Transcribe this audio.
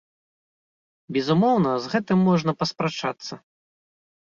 Безумоўна, з гэтым можна паспрачацца.